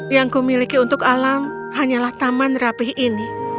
yang kumiliki untuk alam hanyalah taman rapih ini